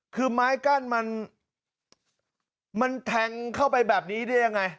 คือไม้กั้นมันแทงเข้าไปแบบนี้ได้ยังไง